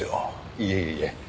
いえいえ。